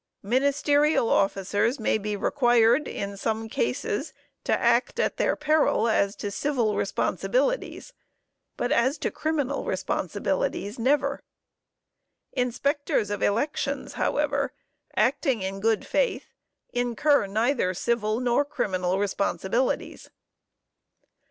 Ministerial officers may be required, in some cases to act at their peril as to civil responsibilities, but as to criminal responsibilities never. Inspectors of elections, however, acting in good faith, incur neither civil nor criminal responsibilities.